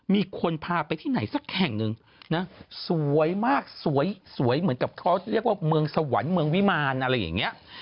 มีคนพาไปที่ไหนสักแห่งหนึ่งนะสวยมากสวยสวยเหมือนกับเขาเรียกว่าเมืองสวรรค์เมืองวิมารอะไรอย่างนี้